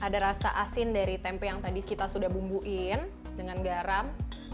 ada rasa asin dari tempe yang tadi kita sudah bumbuin dengan garam